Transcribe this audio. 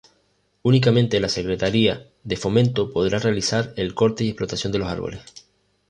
Únicamente la Secretaría de Fomento podrá realizar el corte y explotación de los árboles.